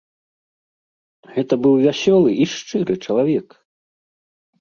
Гэта быў вясёлы і шчыры чалавек.